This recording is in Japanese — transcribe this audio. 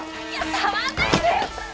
触んないで！